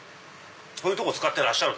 そういうとこ使ってらっしゃる。